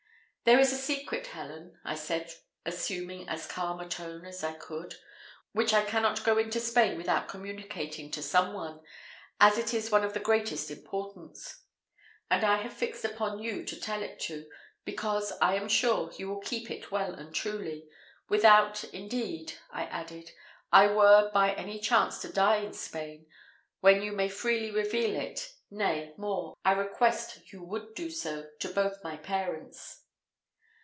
"There is a secret, Helen," I said, assuming as calm a tone as I could, "which I cannot go into Spain without communicating to some one, as it is one of the greatest importance, and I have fixed upon you to tell it to, because, I am sure, you will keep it well and truly; without, indeed," I added, "I were by any chance to die in Spain, when you may freely reveal it nay, more, I request you would do so to both my parents."